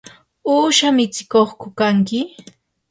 ¿uusha mitsikuqku kanki?